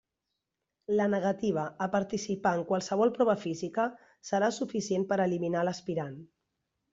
La negativa a participar en qualsevol prova física serà suficient per a eliminar l'aspirant.